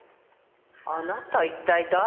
あなた一体誰？